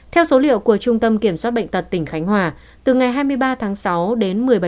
theo số liệu của trung tâm kiểm soát bệnh tật tỉnh khánh hòa từ ngày hai mươi ba tháng sáu đến một mươi bảy